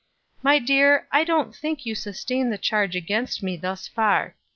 My dear, I don't think you sustain the charge against me thus far.